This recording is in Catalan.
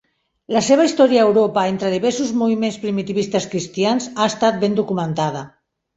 La seva història a Europa entre diversos moviments primitivistes cristians ha estat ben documentada.